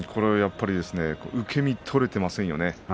受け身が取れていませんでしたね。